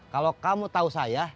kalau kamu tau saya